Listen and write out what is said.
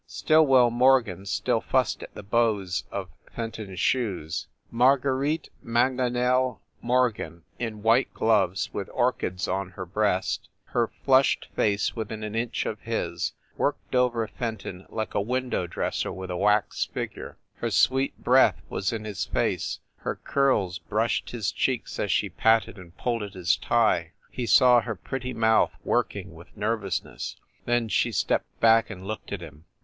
Stillwell Morgan still fussed at the bows of Fenton s shoes. Marguerite Maganel Mor gan, in white gloves, with orchids on her breast, her flushed face within an inch of his, worked over Fenton like a window dresser with a wax figure. Her sweet breath was in his face, her curls brushed his cheeks as she patted and pulled at his tie. He saw her pretty mouth working with nervousness. Then she stepped back and looked at him.